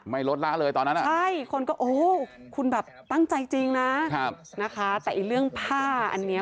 ลดละเลยตอนนั้นอ่ะใช่คนก็โอ้คุณแบบตั้งใจจริงนะนะคะแต่ไอ้เรื่องผ้าอันนี้